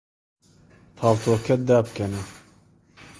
پاڵتۆکەت دابکەنە.